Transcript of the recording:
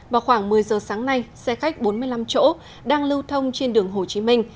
vào khoảng một mươi giờ sáng nay xe khách bốn mươi năm chỗ đang lưu thông trên đường hồ chí minh